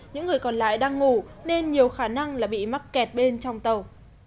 những người còn lại đang ngủ nên nhiều khả năng là bị mắc kẹt bên trong tàu